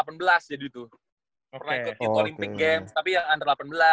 pernah ikut youth olympic games tapi under delapan belas